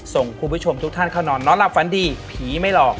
ส่งคุณผู้ชมทุกท่านเข้านอนนอนหลับฝันดีผีไม่หลอก